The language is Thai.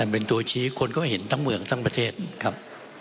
เป็นตัวชี้คนก็เห็นทั้งเมืองทั้งประเทศครับ